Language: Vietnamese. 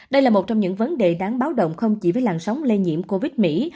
đây là một trong những vấn đề đáng báo động không chỉ với làn sóng lây nhiễm covid mỹ